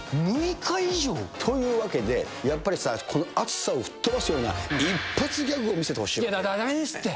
６日以上？というわけで、やっぱりさあ、この暑さを吹っ飛ばすような一発ギャグを見せてほしい。